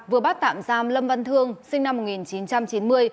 vừa bắt tạm giam lâm văn thương sinh năm một nghìn chín trăm chín mươi